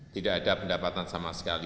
tidak ada pendapatan sama sekali